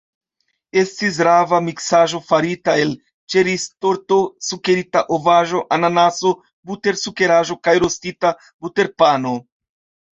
Estis rava miksaĵo farita el ĉeriztorto, sukerita ovaĵo, ananaso, butersukeraĵo kaj rostita buterpano.